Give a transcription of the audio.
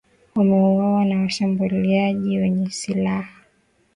wameuawa na washambuliaji wenye silaha